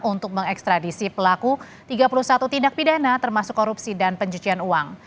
untuk mengekstradisi pelaku tiga puluh satu tindak pidana termasuk korupsi dan pencucian uang